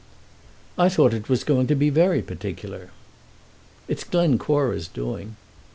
"I thought it was going to be very particular." "It's Glencora's doing."